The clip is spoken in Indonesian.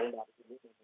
sebagai administrasi juga